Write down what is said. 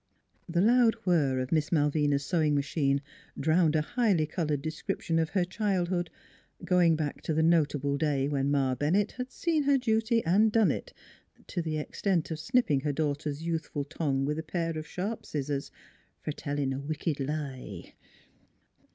The loud whir of Miss Malvina's sewing ma chine drowned a highly colored description of her childhood, going back to the notable day when Ma Bennett had seen her duty and done it, to the extent of snipping her daughter's youthful tongue with a pair of sharp scissors " f'r tellin' a wicked lie."